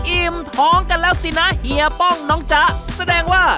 อิ่มท้องกันเล่าสินะเฮียป้องน้องจ๊ะ